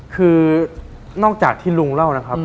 คือนอกจากที่ลุงเล่านะครับ